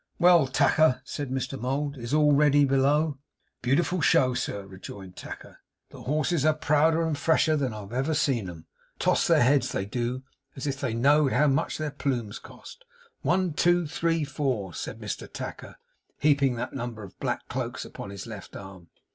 'Well, Tacker,' said Mr Mould, 'is all ready below?' 'A beautiful show, sir,' rejoined Tacker. 'The horses are prouder and fresher than ever I see 'em; and toss their heads, they do, as if they knowed how much their plumes cost. One, two, three, four,' said Mr Tacker, heaping that number of black cloaks upon his left arm.